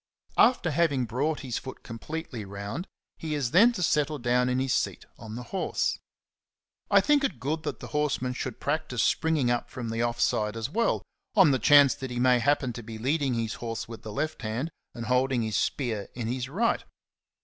After having brought his foot completely round, he is then to settle down in his seat on the horse. I think it good that the horseman should practise springing up from the off side as well, on the chance that he may happen to be leading his horse with the left hand and holding his spear in his right.